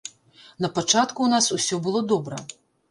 Напачатку ў нас усё было добра.